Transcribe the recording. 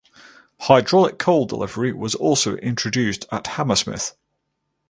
Hydraulic coal delivery was also introduced at Hammersmith.